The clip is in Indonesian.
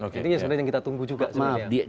jadi ini sebenarnya yang kita tunggu juga sebenarnya